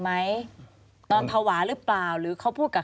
ควิทยาลัยเชียร์สวัสดีครับ